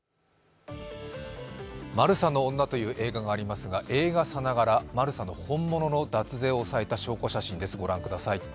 「マルサの女」という映画がありますが、映画さながらマルサの本物の脱税の証拠を納めた写真です。